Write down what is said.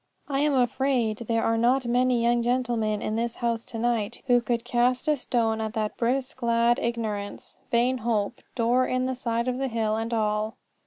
I am afraid there are not many young gentlemen in this house to night who could cast a stone at that brisk lad Ignorance, Vain Hope, door in the side of the hill, and all.